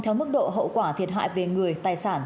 theo mức độ hậu quả thiệt hại về người tài sản